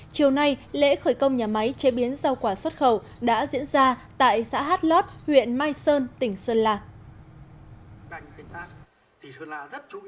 chiều nay lễ khởi công nhà máy chế biến rau quả xuất khẩu đã diễn ra tại xã hát lót huyện mai sơn tỉnh sơn lạc